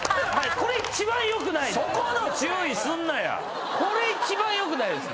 これ一番よくないです